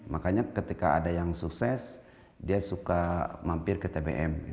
makanya ketika ada yang sukses dia suka mampir ke tbm